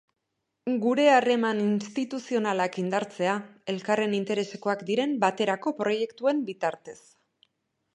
Gure harreman instituzionalak indartzea, elkarren interesekoak diren baterako proiektuen bitartez.